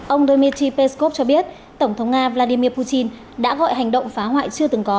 ông dmitry peskov cho biết tổng thống nga vladimir putin đã gọi hành động phá hoại chưa từng có